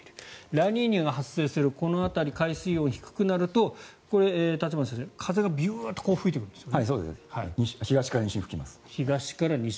ラニーニャが発生するこの辺り海水温が低くなると立花先生、風がビューッと吹いてくるんですよね。